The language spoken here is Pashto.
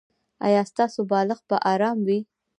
ایا ستاسو بالښت به ارام وي؟